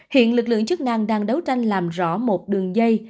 hiện lực lượng chức năng đang đấu tranh làm rõ một đường dây